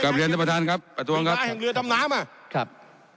เรียนท่านประธานครับประท้วงครับอ่าแห่งเรือดำน้ำอ่ะครับ